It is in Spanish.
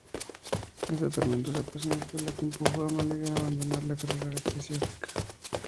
Esta tormentosa pasión fue la que empujó a Melgar a abandonar la carrera eclesiástica.